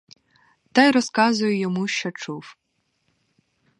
Та й розказую йому, що чув.